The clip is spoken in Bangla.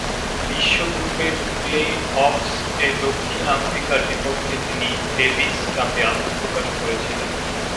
বিশ্ব গ্রুপের প্লে অফস-এ দক্ষিণ আফ্রিকার বিপক্ষে তিনি ডেভিস কাপে আত্মপ্রকাশ করেছিলেন।